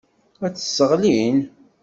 Ad t-sseɣlin.